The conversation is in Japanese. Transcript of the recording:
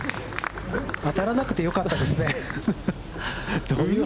当たらなくてよかったですね。